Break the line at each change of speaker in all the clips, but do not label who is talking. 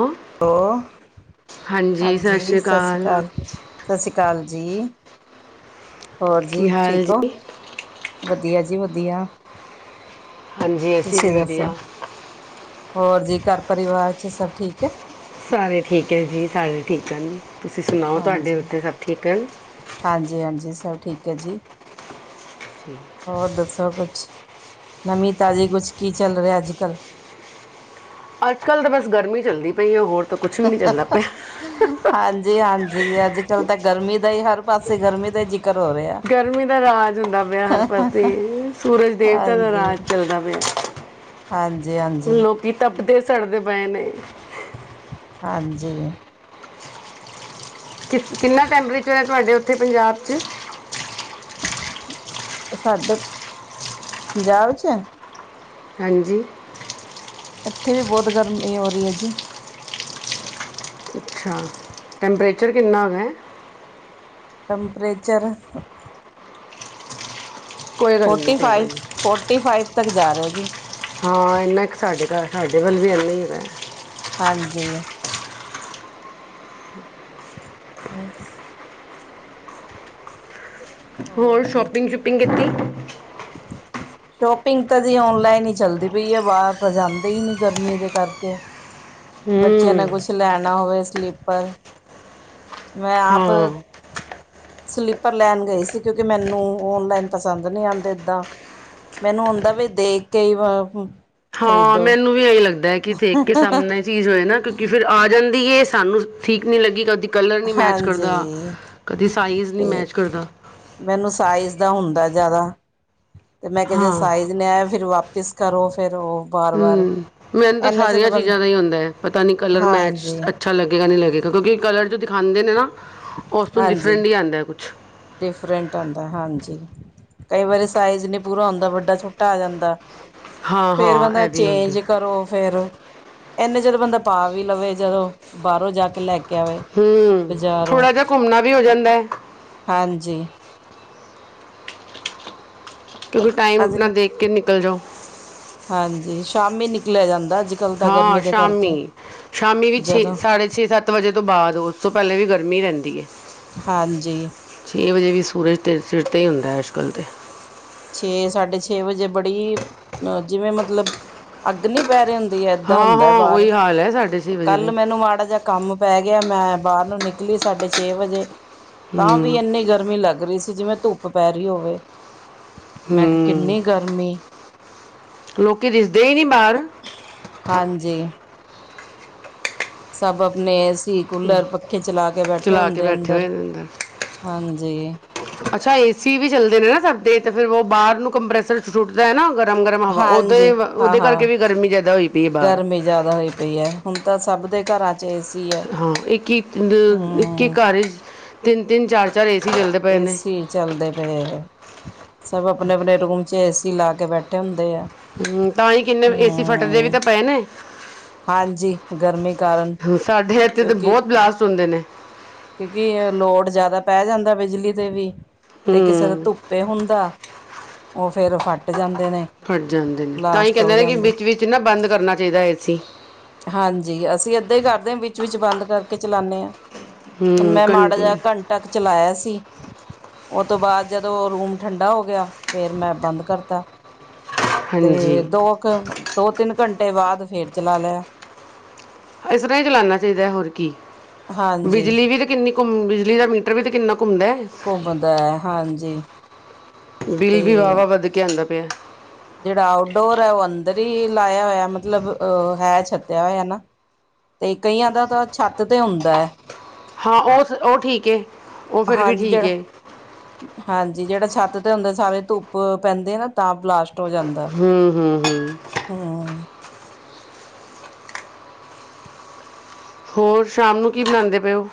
Hello,
hello ਹਾਂਜੀ ਸਤਿ ਸ਼੍ਰੀ ਅਕਾਲ। ਸਤਿ ਸ਼੍ਰੀ ਆਕਾਲ। ਕਾਲ ਜੀ। ਹੋਰ
ਕੀ
ਜੀ
ਹਾਲ
ਠੀਕ ਹੋ?
ਜੀ?
ਵਧੀਆ ਜੀ ਵਧੀਆ।
ਹਾਂਜੀ ਅਸੀਂ ਵੀ
ਤੁਸੀਂ ਦੱਸੋ
ਵਧੀਆ।
ਹੋਰ ਜੀ ਘਰ ਪਰਿਵਾਰ ਚ ਸਭ ਠੀਕ ਹੈ?
ਸਾਰੇ ਠੀਕ ਹੈ ਜੀ ਸਾਰੇ ਠੀਕ ਆ। ਤੁਸੀਂ ਸੁਣਾਓ ਤੁਹਾਡੇ
ਹਾਂਜੀ
ਉੱਥੇ ਸਭ ਠੀਕ ਹਨ?
ਹਾਂਜੀ ਹਾਂਜੀ ਸਭ ਠੀਕ ਹੈ ਜੀ। ਹੋਰ ਦੱਸੋ। ਸਭ ਕੁਛ। ਨਵੀਂ ਤਾਜ਼ੀ ਕੁਛ ਕੀ ਚੱਲ ਰਿਹਾ ਅੱਜ ਕੱਲ।
ਅੱਜ ਕੱਲ ਤਾਂ ਬਸ ਗਰਮੀ ਚੱਲਦੀ ਪਈ ਹੈ। ਹੋਰ, ਕੁੱਛ ਵੀ ਨਹੀ ਚੱਲਦਾ ਪਿਆ।
ਜੀ ਅੱਜ ਕੱਲ ਤਾਂ ਗਰਮੀ ਦਾ ਹੀ ਹਰ ਪਾਸੇ ਗਰਮੀ ਦਾ ਹੀ- ਜ਼ਿਕਰ ਹੋ ਰਿਹਾ
ਗਰਮੀ ਦਾ ਰਾਜ ਹੁੰਦਾ ਪਿਆ ਹਰ ਪਾਸੇ। ਸੂਰਜ ਦੇਵਤਾ ਦਾ
ਹਾਂਜੀ
ਰਾਜ ਚੱਲਦਾ ਪਿਆ।
ਹਾਂਜੀ ਹਾਂਜੀ
ਲੋਕੀ ਤਪਦੇ- ਸੜਦੇ ਪਏ ਨੇ।
ਹਾਂਜੀ।
ਕਿ ਕਿੰਨਾ ਟੈਂਪਰੇਚਰ ਹੈ। ਤੁਹਾਡੇ ਉੱਥੇ ਪੰਜਾਬ ਚ।
ਸਾਡੇ ਪੰਜਾਬ ਚ-
ਹਾਂਜੀ।
ਇੱਥੇ ਵੀ ਬਹੁਤ ਗਰਮੀ ਹੋ ਰਹੀ ਹੈ, ਜੀ।
ਹਾ ਟੈਂਪਰੇਚਰ ਕਿੰਨਾ ਕੁ-
ਟਮਪਰੇਚਰ।
ਕੋਈ ਗੱਲ ਨਹੀਂ,
ਫੋਰਟੀ
ਕੋਈ ਗੱਲ
ਫਾਈਵ,
ਨਹੀਂ।
ਫੋਰਟੀ ਫਾਈਵ ਤ- ਜਾ ਰਿਹਾ ਜੀ।
ਹਾਂ, ਇੰਨਾ ਕੁ ਸਾਡੇ ਘਰ, ਸਾਡੇ ਵੱਲ ਵੀ ਇੰਨਾ ਹੀ ਹੈਗਾ।
ਹਾਂਜੀ। ਬਸ।
ਹੋਰ ਸ਼ੋਪੰਪਿੰਗ, ਸ਼ੁਪਇੰਗ ਕੀ-
ਸ਼ੋਪਿੰਗ, ਤਾਂ ਜੀ ਔਨਲਾਈਨ ਹੀ, ਚੱਲਦੀ ਪਈ ਹੈ। ਬਾਹਰ ਤਾਂ ਜਾਂਦੇ ਹੀ ਨਹੀਂ, ਗਰਮੀ ਦੇ ਕਰਕੇ। ਬੱਚਿਆਂ ਨੇ
ਹੂੰ
ਕੁੱਛ ਲੈਣ- ਨਾ ਹੋਵੇ ਸਲੀਪਰ। ਮੈਂ ਆਪ
ਹਾਂ
ਸਲੀਪਰ ਲੈਣ ਗਈ ਸੀ। ਕਿਉਂਕਿ ਮੈਨੂੰ ਓਨਲਾਈਨ ਪਸੰਦ ਨਹੀਂ ਆਉਂਦੇ। ਮੈਨੂੰ ਹੁੰਦਾ ਵੀ, ਦੇਖ ਕੇ ਹੀ-
ਹਾਂ,
ਖਰੀਦੋ
ਮੈਨੂੰ ਵੀ ਇਹੀ ਲੱਗਦਾ ਹੈ। ਦੇਖ ਕੇ ਸਾਹਮਣੇ ਚੀਜ਼ ਹੋਏ ਨਾ, ਕਿਉਂਕ ਫੇਰ ਆ ਜਾ- ਦੀ ਏ, ਸਾਨੂੰ ਠੀਕ ਨੀ ਲੱਗੀ ਕਦੀ ਕਲਰ ਨਹੀਂ ਮੈਚ ਕਰਦਾ,
ਹਾਂਜੀ
ਕਦੇ ਸਾਈਜ਼
ਤੇ
ਨਹੀਂ ਮੈਚ ਕਰਦਾ।
ਮੈਨੂੰ ਸਾਈਜ਼ ਦਾ ਹੁੰਦਾ ਹੈ ਜ਼ਿਆਦਾ। ਤੇ ਮੈਂ ਕਿਹਾ, ਜੇ
ਹਾਂ
ਸਾਈਜ਼ ਨੀ ਆਇਆ ਫੇਰ ਵਾ- ਪਿਸ ਕਰੋ ਫੇਰ ਉਹ। ਬਾਰ ਵਾਰ
ਹੂੰ, ਮੈਨੂੰ ਤਾਂ
ਇਨਾ ਚ
ਸਾਰੀਆਂ
ਬੰ
ਚੀਜ਼ਾਂ ਦਾ ਹੀ ਹੁੰਦਾ ਹੈ। ਪਤਾ ਨੀ ਕਲਰ ਮੈਚ,
ਹਾਂਜੀ,
ਅੱਛਾ ਲੱਗੇਗਾ ਨੀ ਲੱਗੇਗਾ। ਤਾਂ ਕਿਉਂਕਿ, ਕਲਰ ਜੋ ਦਿਖਾਉਂਦੇ ਨੇ ਨਾ ਉਸ ਤੋਂ
ਹਾਂਜੀ।
ਡਿਫਰੈਂਟ ਹੀ, ਆਉਂਦਾ ਕੁਝ।
ਡਿਫਰੈਂਟ ਆਉਂਦਾ ਹੈ। ਹਾਂਜੀ ਕਈ ਵਾਰੀ ਸਾਈਜ਼ ਨਹੀਂ ਪੂਰਾ ਹੁੰਦਾ, ਵੱਡਾ- ਛੋਟਾ ਆ ਜਾਂਦਾ।
ਹਾਂ
ਫੇਰ
ਹਾਂ
ਬੰਦਾ
ਇਹ ਵੀ ਹੁੰਦੀ
ਚੇਂਜ ਕਰੋ। ਫੇਰ ਇੰਨੇ ਚ ਤੇ ਬੰਦਾ ਪਾ ਵੀ ਲਵੇ, ਜਦੋਂ ਬਾਹਰੋਂ ਜਾ ਕੇ ਲੈ ਕੇ- ਆਵੇ
ਹੂੰ,
ਬਜ਼ਾਰੋਂ
ਥੋੜਾ ਜਿਹਾ ਘੁੰਮਣਾ- ਵੀ ਹੋ ਜਾਂਦਾ ਹੈ
ਹਾਂਜੀ
ਕਿਉਂਕਿ
ਪਰ
ਟਾਈਮ
ਅੱਜ
ਨਾ ਦੇਖ ਕੇ ਨਿਕਲ ਜਾਓ
ਹਾਂਜੀ ਸ਼ਾਮੀ ਨਿਕਲਿਆ ਜਾਂਦਾ। ਕੱਲ੍ਹ ਤਾਂ
ਹਾਂ
ਗਰਮੀ ਦੇ ਕਰਕੇ।
ਸ਼ਾਮੀ ਸ਼ਾਮੀ ਵੀ ਛੇ
ਜਦੋਂ
ਸਾਢੇ ਛੇ ਸੱਤ ਵਜੇ ਤੋਂ ਬਾਅਦ ਉਸ ਤੋਂ ਪਹਿਲੇ ਵੀ ਗਰਮੀ ਰਹਿੰਦੀ ਹੈ।
ਹਾਂਜੀ
ਕਈ ਵਜੇ ਵੀ ਸੂਰਜ ਦੇ ਚਿਰ 'ਤੇ ਹੀ ਹੁੰਦਾ ਅੱਜ ਕੱਲ੍ਹ ਤਾਂ,
ਛੇ ਸਾਢੇ ਛੇ ਵਜੇ ਬੜੀ ਅਹ ਜਿਵੇਂ ਮਤਲਬ ਅੱਗ ਨੀ ਪੈ ਰਹੀ, ਹੈ ਏਦਾਂ
ਹਾਂ
ਹੁੰਦਾ
ਹਾਂ
ਬਾਹਰ
ਉਹੀ ਹਾਲ ਹੈ ਸਾਡੇ,
ਕੱਲ ਮੈਨੂੰ ਮਾੜਾ ਜਿਹਾ ਕੰਮ ਪੈ, ਗਿਆ ਮੈਂ ਬਾਹਰ ਨੂੰ ਨਿਕਲੀ ਸਾਡੇ ਛੇ ਵਜੇ, ਤਾਂ ਵੀ
ਹੂੰ
ਇੰਨੀ ਗਰਮੀ ਲੱਗ ਰਹੀ ਸੀ ਜਿਵੇਂ ਧੁੱਪ, ਪੈਰੀ ਹੋਵੇ। ਮੈਂ ਕਿਹਾ
ਹ
ਕਿੰਨੀ ਗਰਮੀ
ਲੋਕੀ ਦਿਸਦੇ ਹੀ ਨੀ ਬਾਹਰ,
ਹਾਂਜੀ ਸਭ ਆਪਣੇ ਕੂਲਰ ਪੱਖੇ ਚਲਾ ਕੇ ਬੈਠੇ
ਚਲਾ ਕੇ
ਹੁੰਦੇ
ਬੈਠੇ
ਅੰਦਰ
ਹੋਏ ਨੇ ਅੰਦਰ
ਹਾਂਜੀ,
ਅੱਛਾ ਏ ਸੀ ਵੀ ਚੱਲਦੇ ਨੇ ਨਾ ਸਭਦੇ ਤੇ ਫਿਰਰ ਉਹ ਬਾਹਰ ਨੂੰ ਕੰਪ੍ਰੈਸਰ ਛੁੱਟਦਾ ਹੈ ਨਾਗਰ,
ਹਾਂਜੀ ਹਾਂ, ਹਾਂ
ਗਰਮੀ ਜ਼ਿਆਦਾ ਹੋਈ ਪਈ ਹੈ ਬਾਹਰ
ਗਰਮੀ ਜ਼ਿਆਦਾ ਹੋਈ ਪਈ ਹੈ ਹੁਣ ਤਾਂ ਸਭ, ਦੇ ਘਰਾਂ, ਚ ਏਸੀ ਹੈ
ਹਾਂ ਇੱਕ ਅ ਇੱਕ
ਹਮ
ਇੱਕ ਘਰ, ਤਿੰਨ'ਤਿੰਨ ਚਾਰ-ਚਾਰ ਏ
ਏਸੀ ਚੱਲਦੇ ਪਏ ਹੈ ਸਭ ਆਪਣੇ ਆਪਣੇ ਰੂਮ ਚ ਏਸੀ, ਅਸੀਂ ਲਾ ਕੇ ਬੈਠੇ ਹੁੰਦੇ ਆ।
ਹੂੰ, ਤਾਂ ਹੀ ਕਿੰਨੇ ਏਸੀ ਫਟਦੇ ਵੀ
ਹਮ
ਤਾਂ ਪਏ ਨੇ
ਹਾਂਜੀ ਗਰਮੀ ਕਾਰਨ
ਸਾਡੇ ਇੱਥੇ ਤਾਂ
ਕਿਉਂਕਿ
ਬਹੁਤ ਬਲਾਸਟ ਹੁੰਦੇ ਨੇ।
ਕਿਉਂਕਿ ਲੋੜ ਜਿਆਦਾ ਪੈ ਜਾਂਦਾ ਬਿਜਲੀ ਤੇ ਵੀ, ਤੇ ਕਿਸੇ ਦਾ
ਹੂੰ
ਧੁੱਪੇ ਹੁੰਦਾ। ਉਹ ਫੇਰ ਫੱਟ ਜਾਂਦਾ।
ਫਟ ਜਾਂਦੇ ਨੇ ਤਾਂ ਹੀ
ਬਲਾਸਟ ਹੋ
ਕਹਿੰਦੇ ਨੇ ਕਿ
ਜਾਂਦਾ
ਵਿੱਚ ਵਿੱਚ ਨਾ ਬੰਦ ਕਰਨਾ ਚਾਹੀਦਾ ਏਸੀ
ਹਾਂਜੀ ਅਸੀਂ ਅੱਧੇ ਕਰਦੇ ਹ ਵਿਚ ਵਿਚ ਬੰਦ ਕਰ, ਕੇ ਚਲਾਨੇ ਹਾਂ।
ਹੂੰ
ਹੁਣ ਮੈਂ ਮਾੜਾ ਜਿਹਾ
ਕੰਟੀਨਿਊ
ਘੰਟਾ ਕੁ ਚਲਾਇਆ ਸੀ। ਉਹ ਤੋਂ ਬਾਅਦ ਜਦੋਂ ਰੂਮ ਠੰਡਾ ਹੋ ਗਿਆ ਫੇਰ ਮੈਂ ਬੰਦ ਕਰਤਾ।
ਹਾਂਜੀ
ਤੇ ਦੋ ਦੋ ਤਿੰਨ ਘੰਟੇ, ਟੇ ਬਾਅਦ ਫਿਰ ਚਲਾ ਲਿਆ।
ਇਸ ਤਰ੍ਹਾਂ ਹੀ ਚਲਾਨਣਾ ਚਾਹੀਦਾ ਹੋਰ,
ਹਾਂਜੀ
ਬਿਜਲੀ ਵੀ ਤੇ ਕਿੰਨੀ, ਘਮ ਬਿਜਲੀ ਦਾ ਮੀਟਰ ਵੀ ਤੇ ਕਿੰਨਾ, ਘੁੰਮਦਾ
ਘੁੰਮਦਾ ਹੈ। ਹਾਂਜੀ
ਬਿਲ ਵੀ ਵਾਹ ਵਾ ਵੱਧ ਕੇ ਆਦਾ। [unintelligible]
ਜੇੜਾ ਆਊਟਡੋਰ ਹੈ ਓਹ ਅੰਦਰ ਈ ਲਾਇਆ ਹੋਯੈ, ਮਤਲਬ ਅ ਹੈ ਛੱਤਿਆ ਹੋਯੈ ਨਾ। ਤੇ ਕਈਆਂ ਦਾ ਤਾਂ ਛੱਤ ਤੇ ਹੁੰਦੈ।
ਹਾਂ ਉਹ ਉਹ ਠੀਕ ਹੈ ਉਹ ਫਿਰ ਵੀ
ਹਾਂਜੀ
ਠੀਕ
ਜੇੜਾ
ਹੈ
ਹਾਂਜੀ ਜੇੜਾ ਛੱਤ ਤੇ ਹੁੰਦੇ ਸਾਰੇ ਧੁੱਪ ਪੈਂਦੀ ਏ ਨਾ ਤਾਂ ਬਲਾਸਟ ਹੋ ਜਾਂਦੈ,
ਹੂੰ ਹੂੰ ਹੂੰ
ਹੂੰ।
ਹੋਰ ਸ਼ਾਮ ਨੂੰ ਕੀ ਬਣਾਂਦੇ ਪਏ ਔ?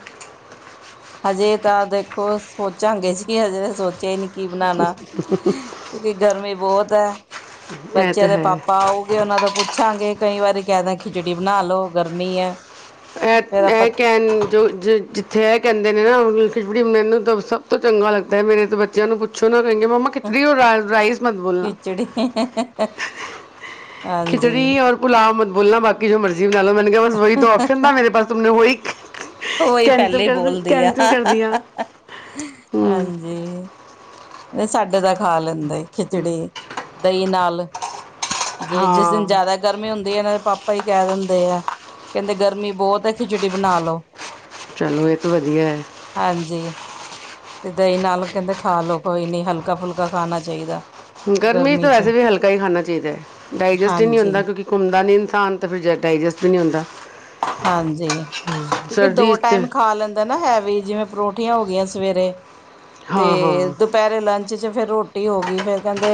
ਹਜੇ ਤਾਂ ਦੇਖੋ ਸੋਚਾਂਗੇ ਜੀ ਹਜੇ ਤੇ ਸੋਚ ਚੇਆ ਨੀ ਕੀ ਬਨਾਨਾ, ਕਿਉਂਕਿ ਗਰਮੀ ਬੌਤ ਪੈ
ਇਹ
ਬੱਚਿਆਂ
ਤਾਂ
ਦੇ
ਹੈ
ਪਾਪਾ ਆਊਗੇ ਔਨਾਂ ਤੋਂ ਪੁੱਛਾਂਗੇ। ਕਈ ਵਾਰੀ ਕੈ ਦੇਆ ਖਿਚੜੀ ਬਣਾ ਲੋ, ਗਰਮੀ ਐ।
ਐ ਐ ਕੈਣ ਜੋ ਜ ਜਿੱਥੇ ਐ ਕੈਣ ਦੇਨੇ ਨਾ ਵੀ ਖਿਚਬੜੀ ਮੈਨੂੰ ਤਾਂ ਸਭ ਤੋਂ ਚੰਗਾ ਲੱਗਦੈ, ਮੇਰੇ ਤੇ ਬੱਚਿਆਂ ਨੂੰ ਪੁੱਛੋ ਨਾ ਕਏਗੇ ਮੰਮਾ ਖਿਚੜੀ ਔਰ ਰਾਈ ਰਾਈਸ ਮਤ ਬੋਲਣਾ,
ਖਿਚੜੀ ਹਾਂਜੀ
ਖਿਚੜੀ ਔਰ ਪੁਲਾਵ ਮਤ ਬ ਬੋਲਣਾ ਬਾਕੀ ਜੋ ਮਰਜੀ਼ ਗਾਲੋ ਬਣ ਗਿਆ ਬਸ ਵਹੀ ਤੋਂ ਔ ਨਾ ਮੇਰੇ ਪਾਸ ਤੁਮਣੇ ਵਹੀਕ
ਓਹੀ ਪੈਲੇ ਈ ਬੋਲਦੀ ਐ, ਹਾਂਜੀ। ਸਾਡੇ ਤਾ ਖਾ ਲੈਂਦ ਖਿਚੜੀ ਦਈਂ ਨਾਲ। ਜੇ ਜਿਸ ਦਿਨ ਜੈਦਾ ਗਰਮੀ ਹੁੰਦੀ ਏ ਐਨਾ ਦੇ ਪਾਪਾ ਈ ਕੈ ਦਿੰ ਦੇ ਆ ਕੈੰਦੇ ਗਰਮੀ ਬੌਤ ਐ, ਖਿਚੜੀ ਬਣਾ ਲਓ।
ਚਲੋ ਏ ਤੇ ਵਧੀਐ ਹੈ।
ਹਾਂਜੀ, ਤੇ ਦਹੀਂ ਨਾਲ ਕੈੰਦੇ ਖਾ ਲੋ ਕੋਈ ਨੀ ਹਲਕਾ-ਫੁਲਕਾ ਖਾਣਾ ਚਾਈਦੈ।
ਗਰਮੀ 'ਤ ਵੈਸੇ ਵੀ ਹਲਕਾ ਹੀ ਖਾਣਾ ਚਾਹੀਦੈ, ਡਾਇਜਸਟ ਹੀ ਨੀ
ਹਾਂਜੀ।
ਹੁੰਦਾ ਕਿਉਂਕਿ ਘੁੰਮਦਾ ਨੀ ਇਨਸਾਨ ਤੇ ਫਿਰ ਜ ਡਾਇਜਸਟ ਹੀ ਨੀ ਹੁੰਦਾ।
ਹਾਂਜੀ, ਕਿਉਂਕਿ
ਸਰਦੀ
ਦੋ
'ਚ ਤੇ
ਟਾਈਮ ਖਾ ਲੈਂਦਾ ਨਾ ਹੈਵੀ ਜਿਵੇਂ ਪਰੋ ਉੱਠੀਆਂ ਹੋ ਗੀਆਂ ਸਵੇਰੇ।
ਹਾਂ
ਤੇ
ਹਾਂ
ਦੁਪੈਰੇ ਲੰਚ ਚ ਫੇਰ ਰੋਟ ਰੋਟੀ ਹੋ ਗੀ ਫੇਰ ਕੈੰਦੇ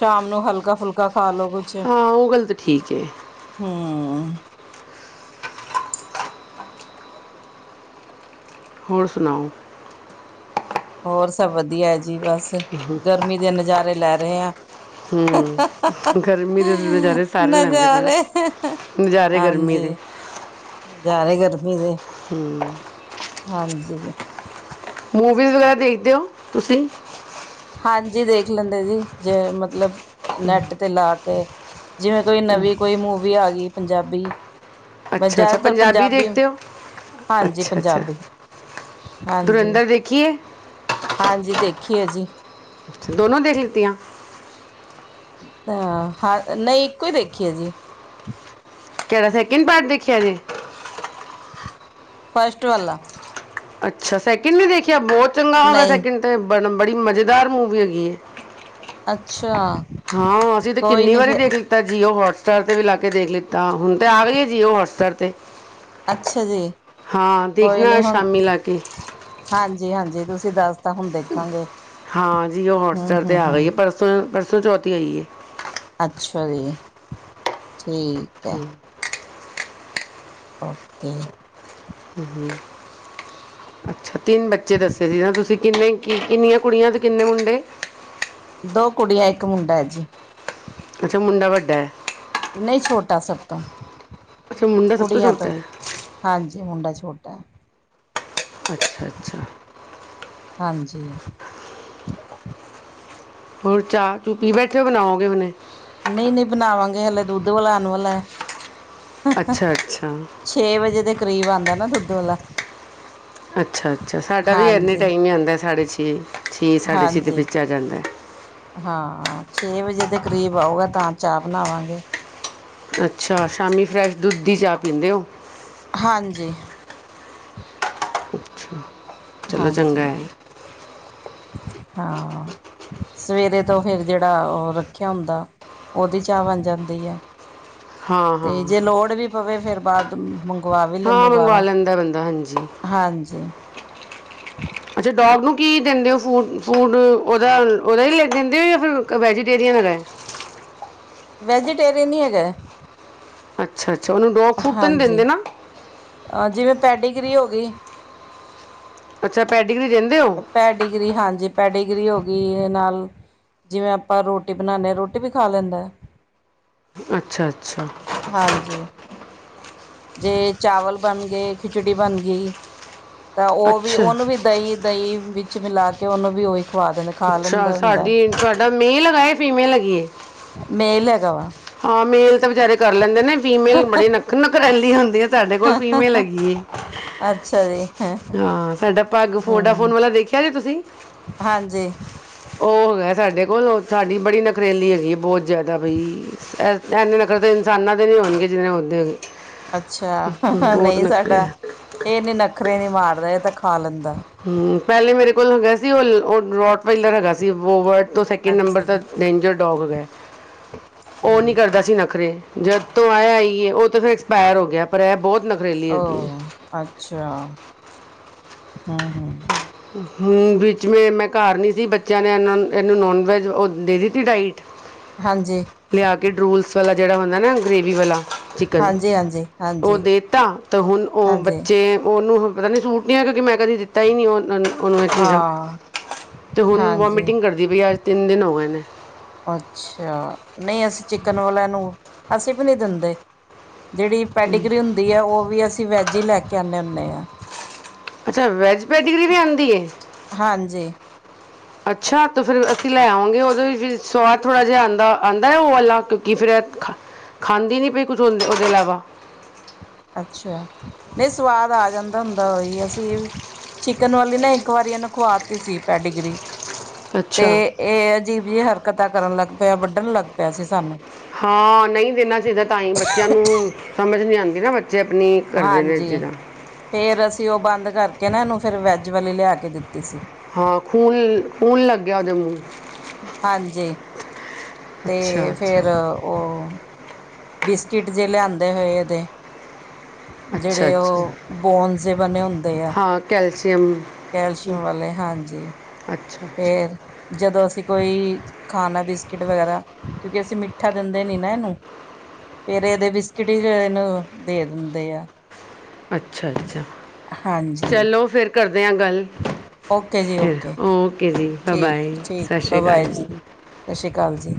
ਸ਼ਾਮ ਨੂੰ ਹਲਕਾ-ਫੁਲਕਾ ਖਾਲੋ ਕੁਛ,
ਹਾਂ ਉਹ ਗੱਲ ਤਾਂ ਠੀਕ ਹੈ
ਹੂੰ। [unintelligible]
ਹੋਰ ਸੁਣਾਓ?
ਹੋਰ ਸਭ ਵਧੀਆ ਹੈ ਜ ਜੀ ਬਸ ਗਰਮੀ ਦੇ ਨਜ਼ਾਰੇ ਲੈ ਰਹੇ ਆ
ਹੂੰ ਗਰਮੀ ਦੇ ਨਜ਼ਾਰੇ ਸਾਰੇ ਲੈਂਦੇ ਪਏ ਨੇ।
ਨਜ਼ਾਰੇ
ਨਜ਼ਾਰੇ ਗਰਮੀ ਦੇ
ਹਾਂਜੀ ਨਜ਼ਾਰੇ ਗਰਮੀ ਦੇ ਹਾਂਜੀ
ਮੂਵੀਜ਼ ਵਗੈਰਾ ਦੇਖਦੇ ਹੋ ਤੁਸੀਂ
ਹਾਂਜੀ ਦੇਖ ਲੈਂਦੇ ਜੀ ਜੇ ਮਤਲਬ ਨੈਟ ਤੇ ਲਾ ਕੇ ਜਿਵੇਂ ਕੋਈ ਨਵੀਂ ਕੋਈ ਮੂਵੀ ਆ ਗਈ ਪੰਜਾਬੀ ਮੈਂ
ਅੱਛਾ ਅੱਛਾ
ਜ਼ਿਆਦਾਤਰ
ਪੰਜਾਬੀ ਦੇਖਦੇ ਹੋ
ਹਾਂਜੀ
ਅੱਛਾ ਅੱਛਾ
ਪੰਜਾਬੀ ਹਾਂਜੀ
ਧੁਰਿੰਧਰ ਦੇਖੀਏ
ਹਾਂਜੀ ਦੇਖੀਏ ਜੀ
ਅੱਛਾ, ਦੋਨੋਂ ਦੇਖ ਲਿੱਤੀਆਂ
ਅਹ ਹਾਂ ਨਹੀਂ ਇੱਕੋ ਹੀ ਦੇਖੀਏ ਜੀ
ਕਿਹੜਾ ਸੈਕਿੰਡ ਪਾਰਟ ਦੇਖਿਆ ਜੀੇ
ਫਸਟ ਵੱਲਾ
ਅੱਛਾ ਸੈਕਿੰਡ ਨੇ ਦੇਖਿਆ ਬਹੁਤ
ਨਹੀਂ
[unintelligible] ਬ ਬੜੀ ਮਜ਼ੇਦਾਰ ਮੂਵੀ ਹੈਗੀ ਇਹ
ਅੱਛਾ
ਹਾਂ ਅਸੀਂ ਤੇ
ਕੋਈ
ਕਿੰਨੀ
ਨਹੀਂ
ਵਾਰੀ
ਫਿਰ
ਦੇਖ ਲਤਾ ਜੀਓ ਵਟ ਪੈਸੇ ਵੀ ਲਗਾ ਕੇ ਦੇਖ ਲਿੱਤਾ ਹੁਣ ਤੇ ਆ ਗਈ ਐ ਜੀਉ ਵ੍ਹਟਸ ਐਪ ਤੇ
ਅੱਛਾ ਜੀ
ਹਾਂ
ਕੋਈ
ਦੇਖਣਾ
ਨੀ ਹੁਣ
ਸ਼ਾਮੀ ਲਾ ਕੇ
ਹਾਂਜੀ ਹਾਂਜੀ ਤੁਸੀ ਦੱਸ
ਹਾਂ ਜੀ ਜੀਓ
ਹੂੰ
ਹੋਟਸਟਾਰ ਤੇ
ਹੂੰ
ਆ ਗਈ
ਹੂੰ
ਹੈ ਪਰਸੋ [unintelligible]
ਅੱਛਾ ਜੀ ਠੀਕ ਹੈ ਓਕੇ
ਹ ਅੱਛਾ ਤਿੰਨ ਬੱਚੇ ਦੱਸੇ ਸੀ ਨਾ ਤੁਸੀਂ ਕਿੰਨੇ ਕਿੰਨੀਆਂ ਕੁੜੀਆਂ ਤੇ ਕਿੰਨੇ ਮੁੰਡੇ
ਦੋ ਕੁੜੀਆਂ ਇੱਕ ਮੁੰਡਾ ਹੈ ਜੀ
ਅੱਛਾ [inaudible]
ਨਹੀਂ ਛੋਟਾ ਸਭ ਤੋਂ
ਅੱਛਾ ਮੁੰਡਾ ਸਭ ਤੋਂ ਛੋਟਾ ਹੈ
ਹਾਂਜੀ ਮੁੰਡਾ ਛੋਟਾ
ਅੱਛਾ ਅੱਛਾ
ਹਾਂਜੀ
ਹੋਰ ਚਾਹ ਚੁ ਪੀ ਬੈਠੇ ਬਣਾਓਗੇ ਉਹਨੇ
ਨਹੀਂ ਨਹੀਂ ਬਣਾਵਾਂਗੇ ਹਲੇ ਦੁੱਧ ਵਾਲਾ ਆਣ ਵਾਲਾ ਐ
ਅੱਛਾ ਅੱਛਾ
ਛੇ ਵਜੇ ਦੇ ਕਰੀਬ ਆਉਂਦਾ ਨਾ ਦੁਦ ਦੋਲਾ
ਅੱਛਾ-ਅੱਛਾ ਸਾਡਾ ਵੀ ਇਨੇ ਟਾਈਮ ਹੀ ਆਉਂਦਾ ਸਾਢੇ ਛੇ ਛੇ ਸਾਢੇ ਛੇ ਦੇ
ਹਾਂਜੀ
ਵਿੱਚ ਆ ਜਾਂਦਾ
ਹਾਂ ਛੇ ਵਜੇ ਦੇ ਕਰੀਬ ਆਊਗਾ ਤਾਂ ਚਾਹ ਬਣਾਵਾਂਗੇ
ਅੱਛਾ ਸ਼ਾਮੀ ਫਰੈਸ਼ ਦੁਧ ਦੀ ਚਾਹ ਪੀਂਦੇ ਹੋ
ਹਾਂਜੀ
ਅੱਛਾ ਚਲੋ ਚੰਗਾ
ਹਾਂਜੀ
ਹੈ
ਹਾਂ ਸਵੇਰੇ ਤੋਂ ਫਿਰ ਜਿਹੜਾ ਉਹ ਰੱਖਿਆ ਹੁੰਦਾ ਉਹਦੀ ਚਾਹ ਬਣ ਜਾਂਦੀ ਹੈ
ਹਾਂ ਹਾਂ
ਤੇ ਜੇ ਲੋੜ ਵੀ ਪਵੇ ਫੇਰ ਬਾਅਦ ਮੰ
ਹਾਂ ਮੰਗਵਾ ਲੈਂਦਾ ਬੰਦਾ ਹਾਂਜੀ
ਹਾਂਜੀ
ਅੱਛਾ ਡੋਗ ਨੂੰ ਕੀ ਦਿੰਦੇ ਹੋ ਫੂ ਫੂਡ ਉਹਦਾ ਉਹਦਾ ਹੀ ਦਿੰਦੇ ਹੋ ਜਾਂ ਫਿਰ ਵੈਜੀਟੇਰੀਅਨ ਹੈਗਾ
ਵੈਜੀਟੇਰੀਅਨ ਹੀ ਹੈਗਾ
ਅੱਛਾ ਅੱਛਾ ਉਹਨੂੰ ਡੋਪ ਫੂਟ ਤਾਂ ਨਹੀਂ
ਹਾਂਜੀ
ਦਿੰਦੇ ਨਾ
ਜਿਵੇਂ ਪੈਡੀਗਰੀ ਹੋ ਗਈ
ਅੱਛਾ ਭੈਡ
ਪੈ ਡਿਗਰੀ ਹਾਂਜੀ ਪੈ ਡਿਗਰੀ ਹੋ ਗਈ ਨਾਲ ਜਿਵੇਂ ਆਪਾਂ ਰੋਟੀ ਬਣਾਦੇ ਹਾਂ ਰੋਟੀ ਵੀ ਖਾ ਲੈਂਦਾ ਹੈ
ਅੱਛਾ ਅੱਛਾ
ਹਾਂਜੀ ਜੇ ਚਾਵਲ ਬਣ ਗਏ ਖਿਚੜੀ ਬਣ ਗਈ ਤਾਂ ਉਹ ਵੀ
ਅੱਛਾ
ਉਹਨੂੰ ਵੀ ਦਹੀਂ ਦਹੀਂ ਵਿੱਚ ਮਿਲਾ ਕੇ ਉਹਨੂੰ ਵੀ ਉਹੀ ਖਵਾ ਦਿੰਦੇ ਖਾ
ਅੱਛਾ
ਲੈਂਦਾ ਹੁੰਦਾ
ਸਾਡੀ ਤੁਡਾ ਮੇਲ ਹੈਗਾਏ ਫੀਮੇਲ ਕੀ
ਮੇ ਲਗਾ ਵ
ਹਾਂ ਮੇਲ ਤਾਂ ਬਚਾਰੇ ਕਰ ਲੈਂਦੇ ਨੇ ਫੀਮੇਲ ਬੜੀ ਨੱਖ ਨੱਖ ਰੈਲੀ ਹੁੰਦੀ ਆ ਸਾਡੇ ਕੋਲ ਫੀਮੇਲ ਹੈਗੀ
ਅੱਛਾ ਜੀ,
ਹਾਂ ਸਾਡਾ ਪੱਗ ਫੋਡਾ
ਹੂੰ,
ਫੋਨ ਵਾਲਾ ਦੇਖਿਆ ਜੇ ਤੁਸੀਂ
ਹਾਂਜੀ।
ਉਹ ਹੈਗਾ ਸਾਡੇ ਬਿਲਖੋਲ ਸਾਡੀ ਬੜੀ ਨਖਰੇਲੀ ਹੈਗੀ ਹੈ ਬਹੁਤ ਜ਼ਿਆਦਾ ਬਈ ਇੰਨੇ ਨਖਰੇ ਤਾਂ ਇਨਸਾਨਾਂ ਦੇ ਨਹੀਂ ਹੋਣਗੇ ਜਿਹਨ੍ਹਾਂ ਨੇ ਉੱਦੇ ਹੈਗੇ
ਅੱਛਾ
ਬਹੁਤ
ਨਹੀਂ
ਨਖਰੇ
ਸਾਡਾ
ਹੈ
ਇਹਨੇ ਨਖਰੇ ਨੀ ਮਾਰਦਾ ਤਾਂ ਖਾ ਲੈਂਦਾ
ਹਮ ਪਹਿਲੇ ਮੇਰੇ ਕੋਲ ਹੈਗਾ ਸੀ ਉਹ ਰੋਟ ਵਲਰ ਹੈਗਾ ਸੀ ਵੋਵਰਟ ਤੋਂ ਸੈਕਿੰਡ ਨੰਬਰ
ਅੱਛਾ
ਤਾਂ
ਜੀ।
ਡੇਂਜਰ ਡੋਗ ਗਏ [inaudible] ਉਹ ਨੀ
ਠੀਕ
ਕਰਦਾ
ਹੈ।
ਸੀ ਨਖਰੇ ਜਦ ਤੋਂ ਆਇਆ ਆਈਏ ਉਹ ਤਾਂ ਫਿਰ ਐਕਸਪਾਇਰ ਹੋ ਗਿਆ ਪਰ ਇਹ ਬਹੁਤ ਨਖਰੇਲੀ ਹੈਗੀ ਹੈ
ਆ ਅੱਛਾ ਹਾਂ ਹਾਂ
ਹਮ ਵਿੱਚ ਮ ਮੈਂ ਘਰ ਨੀ ਸੀ ਬੱਚਿਆਂ ਨੇ ਇਹਨਾਂ ਇਹਨੂੰ ਨੋਨ ਵੈਜ ਉਹ ਦੇ ਦਿੱਤੀ ਡਾਇਟ
ਹਾਂਜੀ,
ਲਿਆ ਕੇ ਡਰੋਲਸ ਜਿਹੜਾ ਹੁੰਦਾ ਨਾ ਗਰੇੇਵੀ ਵਾਲਾ ਚਿਕਨ
ਹਾਂਜੀ-ਹਾਂਜੀ,
ਉਹ
ਹਾਂਜੀ,
ਦੇ ਤਾ ਤੇ ਹੁਣ
ਹਾਂਜੀ,
ਬੱਚੇ ਉਹਨੂੰ ਪਤਾ ਨੀ ਸੂਟ ਆਉ ਕਿ ਮੈਂ ਕਦੀ ਦਿੱਤਾ ਹੀ ਨੀ ਉਹ ਨਾਲ ਉਹਨੂੰ ਇਹ ਚੀਜ਼ਾਂ
ਹਾਂ।
ਅਤੇ ਹੁਣ
ਹਾਂਜੀ,
ਵੋਮੀਟਿੰਗ ਕਰਦੀ ਪਈ ਅੱਜ ਤਿੰਨ ਦਿਨ ਹੋ ਗਏ ਨੇ
ਅੱਛਾ ਨਹੀਂ ਅਸੀਂ ਚਿਕਨ ਬੱਚਿਆਂ ਨੂੰ ਅਸੀਂ ਵੀ ਨਹੀਂ ਦਿੰਦੇ ਜਿਹੜੀ ਪੈਟੀਗਰੀ ਹੁੰਦੀ ਹੈ ਉਹ ਵੀ ਅਸੀਂ ਵੈਜ ਹੀ ਲੈ ਕੇ ਆਉਂਦੇ ਹੁੰਦੇ ਹਾਂ
ਅੱਛਾ ਵੈਜ ਕੈਟੀਗਰੀ ਵੀ ਆਉਂਦੀ ਆ
ਹਾਂਜੀ।
ਅੱਛਾ ਤਾਂ ਫਿਰ ਅਸੀਂ ਲੈ, ਆਵਾਂਗੇ ਉਹਦੇ ਫਿਰ ਸਵਾਦ ਥੋੜ੍ਹਾ ਜਿਹਾ! ਆਉਂਦਾ ਆਉਂਦਾ ਉਹ ਵਾਲਾ ਕਿਉਂਕਿ ਖਾਂਦੀ ਨਹੀਂ! ਪਈ ਕੁਛ ਉਹਦੇ ਇਲਾਵਾ
ਅੱਛਾ ਨਹੀਂ ਸਵਾਦ ਆ ਜਾਂਦਾ ਹੁੰਦਾ ਹੀ ਚਿਕਨ ਵਾਲੀ ਨਾ ਇੱਕ ਵਾਰੀ ਇਹਨੂੰ ਖਵਾਤੀ ਸੀ ਪੈਡੀਗਰੀ ਤੇ
ਅੱਛਾ
ਇਹ ਅਜੀਬ ਜਿਹੀ ਹਰਕਤਾਂ ਕਰਨ ਲੱਗ ਪਿਆ ਵੱਢਣ ਲੱਗ ਪਿਆ ਪੈਸੇ ਸਾਨੂੰ
ਹਾਂ ਨਹੀਂ ਦੇਣਾ ਚਾਹੀਦਾ ਤਾਂ ਬੱਚਿਆਂ ਨੂੰ ਸਮਝ ਨਹੀਂ ਆਉਂਦੀ ਕਿਨਾ ਮੈਂ
ਹਾਂਜੀ ਫੇਰ ਅਸੀਂ ਉਹ ਬੰਦ ਕਰ ਦੀਤਾ ਇਹਨੂੰ ਫਿਰ ਵੈੱਜ ਵਾਲੀ ਲਿਆ ਕੇ ਦਿੱਤੀ ਸੀ
ਹਾਂ ਖੂਨ ਖੂਨ ਲੱਗਿਆ ਉਦੇ ਮੂੰਹ ਨੂੰ!
ਹਾਂਜੀ
ਅੱਛਾ
ਤੇ
ਅੱਛਾ
ਫੇਰ ਉਹ ਹੂ ਬਿਸਕੁਟ ਜੇ ਲਿਆਂਦੇ ਹੋਏ ਇਹਦੇ
ਅੱਛਾ
ਜਿਹੜੇ
ਅੱਛਾ
ਉਹ ਬੋਨਸ ਬਣੇ ਹੁੰਦੇ ਆ
ਹਾਂ ਕੈਲਸ਼ੀਅਮ
ਕੈਲਸ਼ੀਅਮ ਵਾਲੇ ਹਾਂਜੀ
ਅੱਛਾ ਅੱਛਾ
ਫੇਰ ਜਦੋਂ ਅਸੀਂ ਕੋਈ ਖਾਣਾ ਬਿਸਕਿਟ ਵਗੈਰਾ ਕਿਉਂਕਿ ਅਸੀਂ ਮਿੱਠਾ ਦਿੰਦੇ ਨੀ ਨਾ ਇਹਨੂੰ ਫੇਰ ਇਹਦੇ ਬਿਸਕਿਟ ਹੀ ਇਹਨੂੰ ਦੇ ਦਿੰਦੇ ਆ
ਅੱਛਾ ਅੱਛਾ
ਹਾਂਜੀ
ਚਲੋ ਫਿਰ ਕਰ ਗੱਲ ਕਰਦੇ ਹਾ ਗੱਲ
ਓਕੇ ਜੀ
ਫਿਰ
ਓਕੇ
ਓਕੇ ਜੀ
ਠੀਕ
ਬਾਏ ਸਤਿ
ਠੀਕ
ਸ਼੍ਰੀ
ਬਾਏ
ਅਕਾਲ
ਬਾਏ ਜੀ ਸਤਿ ਸ਼੍ਰੀ ਅਕਾਲ ਜੀ